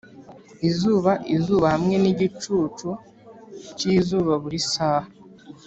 izuba-izuba hamwe nigicucu cyizuba buri saha,